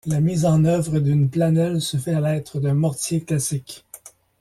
La mise en œuvre d'une planelle se fait à l'aide d'un mortier classique.